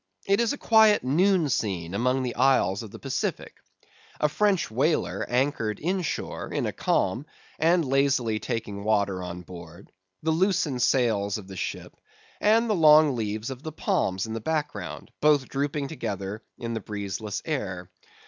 It is a quiet noon scene among the isles of the Pacific; a French whaler anchored, inshore, in a calm, and lazily taking water on board; the loosened sails of the ship, and the long leaves of the palms in the background, both drooping together in the breezeless air.